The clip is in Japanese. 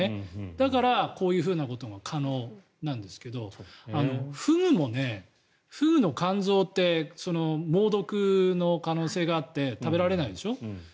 だからこういうふうなことが可能なんですけどフグも、フグの肝臓って猛毒の可能性があって食べられないでしょ。